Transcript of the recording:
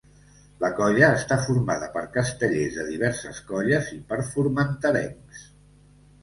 La colla està formada per castellers de diverses colles i per formenterencs.